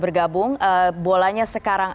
bergabung bolanya sekarang